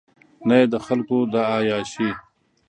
نه یې د خلکو دا عیاشۍ.